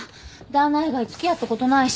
旦那以外付き合ったことないし。